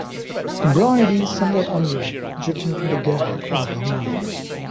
The bride is somewhat unwilling, judging from the gag over her mouth.